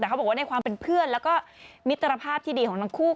แต่เขาบอกว่าในความเป็นเพื่อนแล้วก็มิตรภาพที่ดีของทั้งคู่